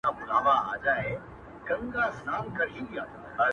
موږ ته ورکي لاري را آسانه کړي!!